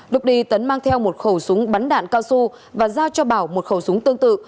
lúc đi tấn mang theo một khẩu súng bắn đạn cao su và giao cho bảo một khẩu súng tương tự